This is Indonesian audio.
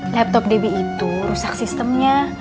laptop debbie itu rusak sistemnya